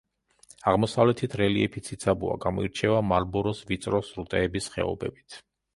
აღმოსავლეთით რელიეფი ციცაბოა, გამოირჩევა მარლბოროს ვიწრო სრუტეების ხეობებით.